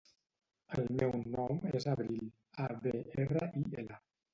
El meu nom és Abril: a, be, erra, i, ela.